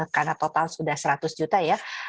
karena total sudah seratus juta ya